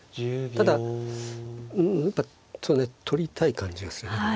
ただ取りたい感じがするね。